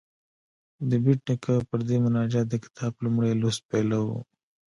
د بېټ نیکه پر دې مناجات د کتاب لومړی لوست پیلوو.